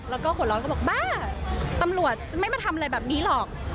แล้วก็หัวร้อนก็บอกบ้าตำรวจจะไม่มาทำอะไรแบบนี้หรอก